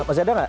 masih ada gak